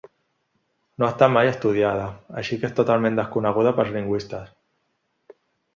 No ha estat mai estudiada, així que és totalment desconeguda pels lingüistes.